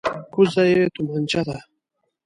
کوزه یې تمانچه ده.